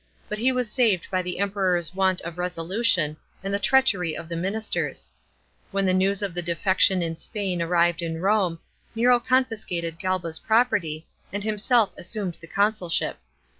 But he was saved by the Emperor's want of resolution, and the treachery of the ministers. When the news of the defection in Spain arrived in Rome, Nero confiscated Galba's property, and himself assumed the consulship.